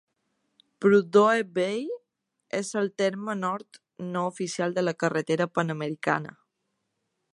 Prudhoe Bay és el terme nord no oficial de la carretera panamericana.